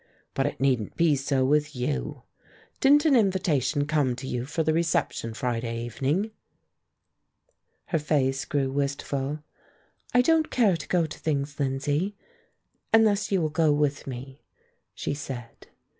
But it needn't be so with you. Didn't an invitation come to you for the reception Friday evening?" Her face grew wistful. "I don't care to go to things, Lindsay, unless you will go with me," she said.